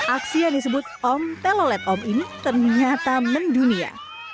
aksi yang disebut om telolet om ini ternyata mendunia